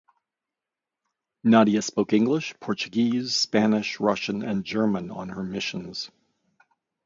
Nadia spoke English, Portuguese, Spanish, Russian, and German on her missions.